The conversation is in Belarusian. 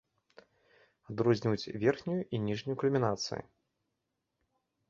Адрозніваюць верхнюю і ніжнюю кульмінацыі.